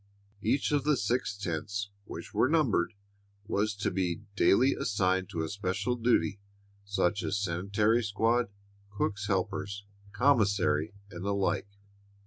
Each of the six tents, which were numbered, was to be daily assigned to special duty such as sanitary squad, cook's helpers, commissary, and the like.